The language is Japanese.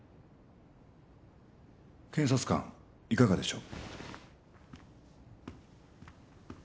検察官いかがでしょう？